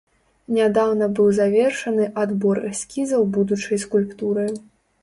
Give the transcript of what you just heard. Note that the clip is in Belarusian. Нядаўна быў завершаны адбор эскізаў будучай скульптуры.